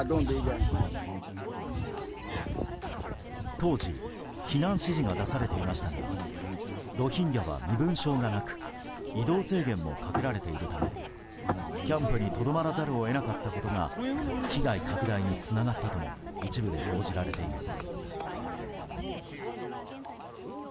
当時、避難指示が出されていましたがロヒンギャは身分証がなく移動制限もかけられているためキャンプにとどまらざるを得なかったことが被害拡大につながったとも一部で報じられています。